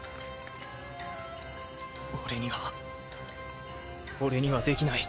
俺には俺にはできない。